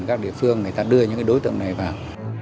các địa phương người ta đưa những đối tượng này vào